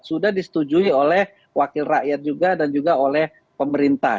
sudah disetujui oleh wakil rakyat juga dan juga oleh pemerintah